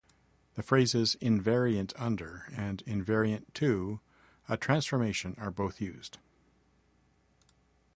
The phrases "invariant under" and "invariant to" a transformation are both used.